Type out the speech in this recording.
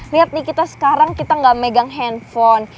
lihat nih kita sekarang gak megang handphone